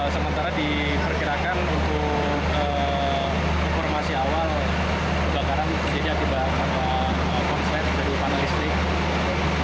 sementara diperkirakan untuk informasi awal kebakaran bisa diaktifkan oleh konsulat dari panelistik